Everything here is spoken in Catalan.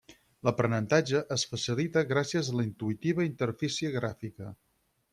L'aprenentatge es facilita gràcies a la intuïtiva interfície gràfica.